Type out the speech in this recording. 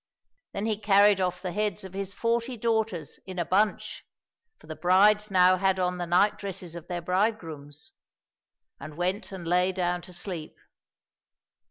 Then he carried off the heads of his forty daughters in a bunch (for the brides now had on the night dresses of their bridegrooms), and went and lay down to sleep.